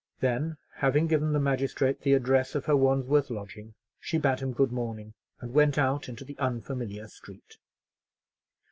Then, having given the magistrate the address of her Wandsworth lodging, she bade him good morning, and went out into the unfamiliar street.